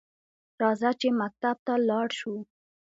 راځه چې مکتب ته لاړشوو؟